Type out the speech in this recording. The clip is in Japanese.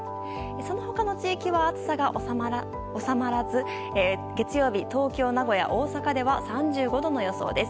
そのほかの地域は暑さが収まらず、月曜日、東京、名古屋、大阪では３５度の予想です。